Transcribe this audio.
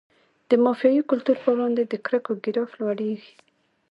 د مافیایي کلتور په وړاندې د کرکو ګراف لوړیږي.